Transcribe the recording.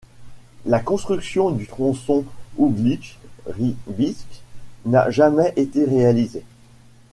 La construction du tronçon Ouglitch-Rybinsk n'a jamais été réalisée.